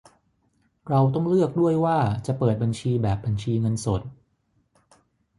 เราต้องเลือกด้วยว่าจะเปิดบัญชีแบบบัญชีเงินสด